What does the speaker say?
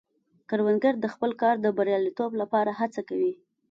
کروندګر د خپل کار د بریالیتوب لپاره هڅه کوي